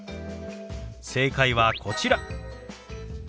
正解はこちら。